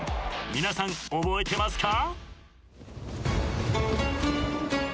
［皆さん覚えてますか？］